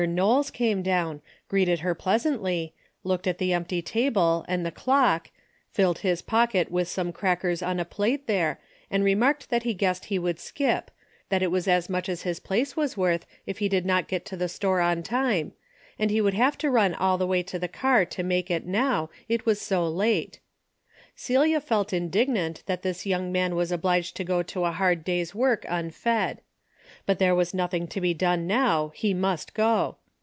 Knowles came down, greeted her pleasantly, looked at the empty table, and the clock, filled his pocket with some crackers on a plate there, and re marked that he guessed he would skip, that it was as much as his place was worth if he did not get to the store on time, and he would have to run all the way to the car to make it now, it was so late. Celia felt indignant that this young man was obliged to go to a hard day's work unfed. But there was nothing to be done now, he must go.